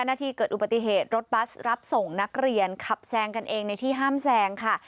นาทีเกิดอุบัติเหตุรถบัสรับส่งนักเรียนขับแซงกันเองในที่ห้ามแซงค่ะ